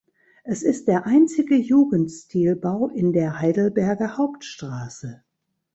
Es ist der einzige Jugendstilbau in der Heidelberger Hauptstraße.